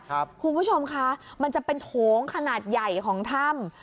คุณผู้ชมคะมันจะเป็นโถงขนาดใหญ่ของถ้ำ